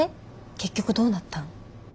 結局どうなったん？